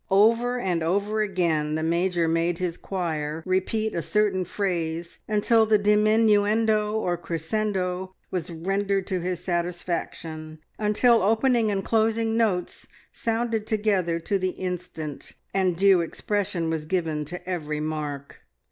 Over and over again the Major made his choir repeat a certain phrase, until the diminuendo or crescendo was rendered to his satisfaction, until opening and closing notes sounded together to the instant, and due expression was given to every mark.